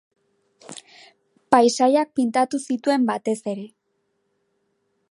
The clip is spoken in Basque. Paisaiak pintatu zituen batez ere.